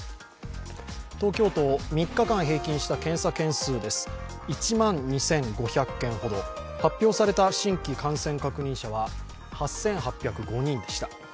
東京都、３日間平均した検査件数です、１万２５５０件ほど、発表された新規感染者数は８８０５人でした。